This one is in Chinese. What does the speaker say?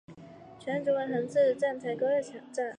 泉水站为侧式站台高架站。